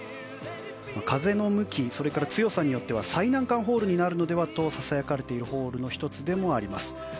風の向き、強さによっては最難関になるのでは？ともささやかれているホールの１つでもあります。